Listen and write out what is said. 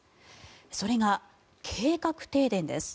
それが、計画停電です。